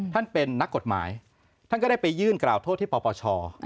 ท่านเป็นนักกฎหมายท่านก็ได้ไปยื่นกล่าวโทษที่ปปช